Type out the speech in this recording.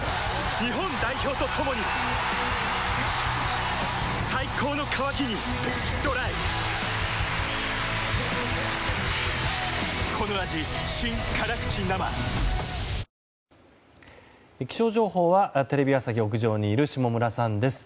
日本代表と共に最高の渇きにＤＲＹ気象情報はテレビ朝日屋上にいる下村さんです。